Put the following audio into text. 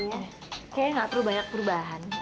kayaknya nggak perlu banyak perubahan